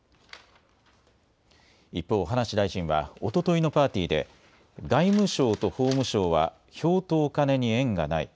一方、葉梨大臣はおとといのパーティーで外務省と法務省は票とお金に縁がない。